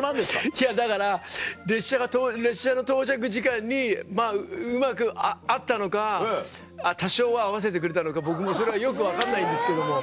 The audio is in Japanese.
いやだから列車の到着時間にうまく合ったのか多少は合わせてくれたのか僕もそれはよく分かんないんですけども。